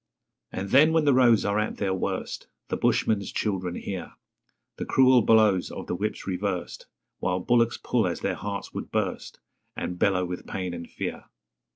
And then when the roads are at their worst, The bushman's children hear The cruel blows of the whips reversed While bullocks pull as their hearts would burst, And bellow with pain and fear.